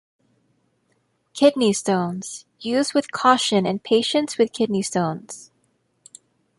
Kidney stones: Use with caution in patients with kidney stones.